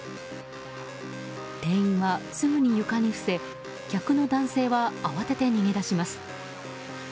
店員はすぐに床に伏せ客の男性は慌てて逃げ出します。